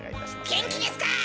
元気ですか！